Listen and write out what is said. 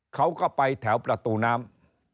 เขาก็ไปแถวประตูน้ำ